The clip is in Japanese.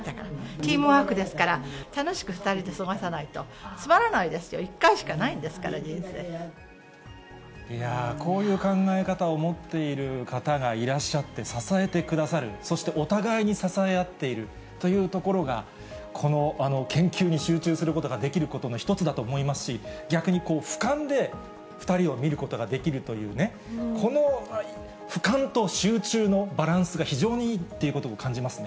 チームワークですから、楽しく２人で過ごさないと、つまらないですよ、１回しかないんですから、いやー、こういう考え方を持っている方がいらっしゃって、支えてくださる、そして、お互いに支え合っているというところが、この研究に集中することができることの一つだと思いますし、逆にこう、ふかんで２人を見ることができるというね、このふかんと集中のバランスが非常にいいということを感じますね。